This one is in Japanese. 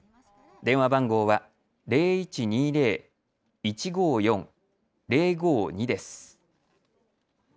電話番号は０１２０−１５４−０５２です。